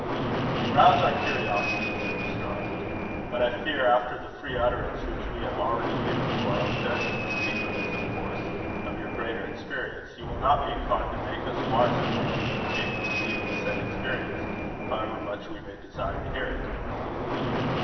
"You rouse our curiosity," said Mr. Arnold; "but I fear, after the free utterance which we have already given to our own judgments, in ignorance, of course, of your greater experience, you will not be inclined to make us wiser by communicating any of the said experience, however much we may desire to hear it."